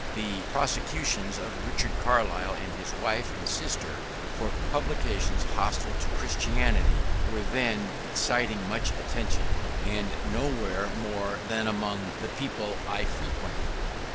The prosecutions of Richard Carlile and his wife and sister for publications hostile to Christianity were then exciting much attention, and nowhere more than among the people I frequented.